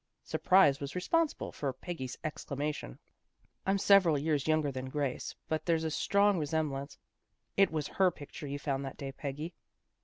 " Surprise was responsible for Peggy's exclamation. " I'm several years younger than Grace, but there's a strong resemblance. It was her picture you found that day, Peggy."